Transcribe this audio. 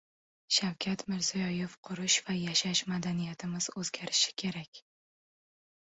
Shavkat Mirziyoyev: Qurish va yashash madaniyatimiz o‘zgarishi kerak